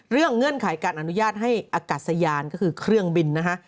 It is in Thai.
เงื่อนไขการอนุญาตให้อากาศยานก็คือเครื่องบินนะฮะ